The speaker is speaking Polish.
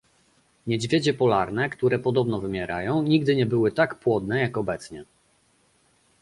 Niedźwiedzie polarne, które podobno wymierają, nigdy nie były tak płodne, jak obecnie